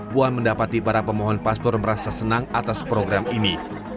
puan mendapati para pemohon paspor merasa senang atas program ini